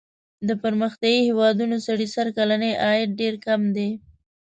د پرمختیايي هېوادونو سړي سر کلنی عاید ډېر کم دی.